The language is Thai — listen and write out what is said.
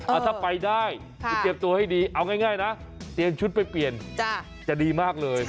ถ้าไปได้คุณเตรียมตัวให้ดีเอาง่ายนะเตรียมชุดไปเปลี่ยนจะดีมากเลย